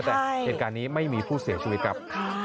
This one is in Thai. แต่เหตุการณ์นี้ไม่มีผู้เสียชีวิตครับ